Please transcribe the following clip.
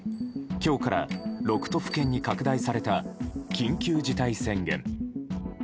今日から６都府県に拡大された緊急事態宣言。